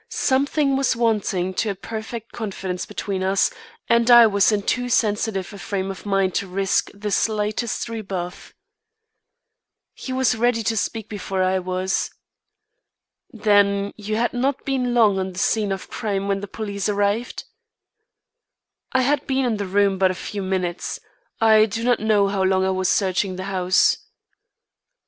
Something was wanting to a perfect confidence between us, and I was in too sensitive a frame of mind to risk the slightest rebuff. He was ready to speak before I was. "Then, you had not been long on the scene of crime when the police arrived?" "I had been in the room but a few minutes. I do not know how long I was searching the house."